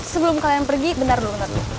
sebelum kalian pergi bentar dulu